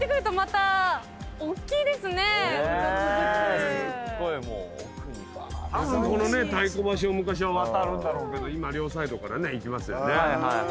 たぶんこの太鼓橋を昔は渡るんだろうけど今両サイドから行きますよね。